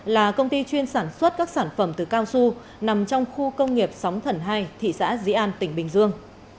là công ty chuyên sản xuất các sản phẩm từ cao su nằm trong khu công nghiệp sóng thần hai thị xã dĩ an tỉnh bình dương